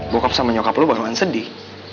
bokap sama nyokap lu bakalan sedih